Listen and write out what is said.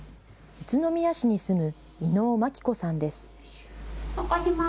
宇都宮市に住む稲生麻希子さんです。